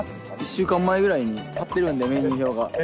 １週間前ぐらいに、貼ってるんで、メニュー表が。